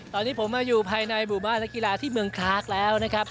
ตอนนี้ผมมาอยู่ภายในหมู่บ้านและกีฬาที่เมืองคลากแล้วนะครับ